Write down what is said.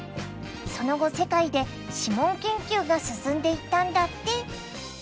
その後世界で指紋研究が進んでいったんだって。